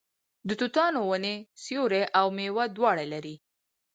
د توتانو ونې سیوری او میوه دواړه لري.